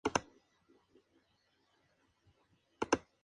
Este tipo de espacios se nombra así en honor a Laurent Schwartz.